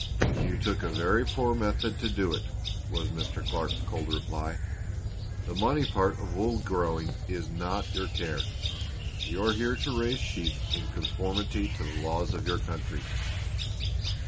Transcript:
"You took a very poor method to do it," was Mr. Clark's cold reply. "The money part of wool growing is not your care. You are here to raise sheep in conformity to the laws of your country."